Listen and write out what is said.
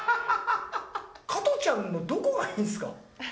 加トちゃんのどこがいいんすか？